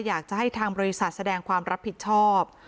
อยากจะให้ทางบริษัทแสดงความรับผิดชอบ